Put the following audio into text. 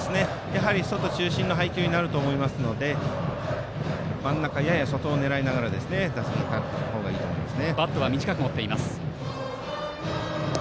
外中心の配球になると思いますので真ん中やや外を狙って打席に立った方がいいと思います。